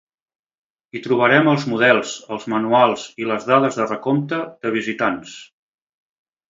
Hi trobarem els models, els manuals i les dades de recompte de visitants.